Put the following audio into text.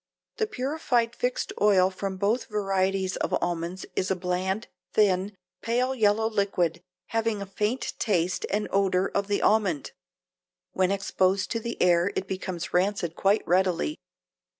The purified fixed oil from both varieties of almonds is a bland, thin, pale yellow liquid, having a faint taste and odor of the almond. When exposed to the air it becomes rancid quite readily.